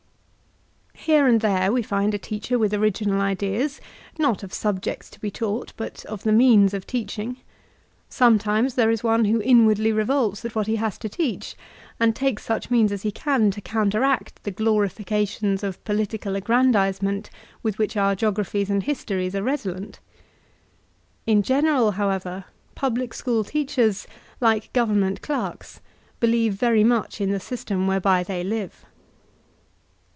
Here and there we find a teacher with original ideas, not of subjects to be tau^t, but of the means of teach ing. Sometimes there b one who inwardly revolts at what he has to teach, and takes such means as he can to counteract the glorifications of political aggrandizement, with which our geographies and histories are redolent. In general, however, public school teachers, like gov ernment clerks, believe very much in the system whereby they live.